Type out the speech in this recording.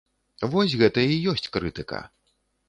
Вось гэта і ёсць крытыка.